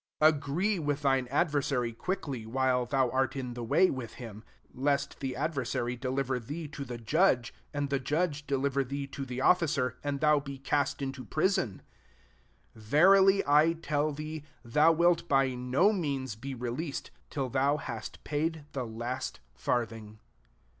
25 Ag^ree with thine adversary quickly, while thou art in the way with him ; lest the adversary deliver thee to the judge, and the judge deliver thee to the o€icer, and tiiouJ>e cast into prison^ 26 Verily I tell thee. Thou wilt by no means be released, tiU thou hast paid the last farthing.